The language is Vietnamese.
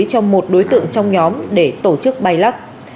cho một đối tượng trong nhóm để tổ chức bay lắc